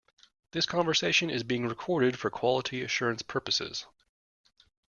This conversation is being recorded for quality assurance purposes.